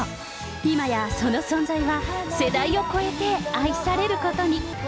今やその存在は世代を超えて愛されることに。